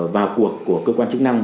và cuộc của cơ quan chức năng